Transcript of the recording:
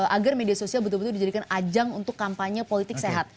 agar media sosial betul betul dijadikan ajang untuk kampanye politik sehat